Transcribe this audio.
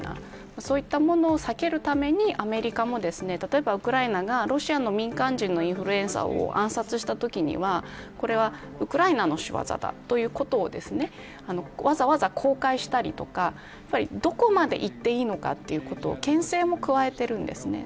そういったものを避けるためにアメリカも例えばウクライナがロシアの民間人のインフルエンサーを暗殺したときにはこれはウクライナの仕業だということをわざわざ公開したりとかどこまでいっていいのかということをけん制も加えているんですね。